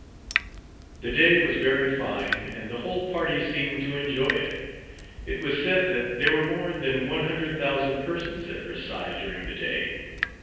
The day was very fine, and the whole party seemed to enjoy it. It was said that there were more than one hundred thousand persons at Versailles during the day.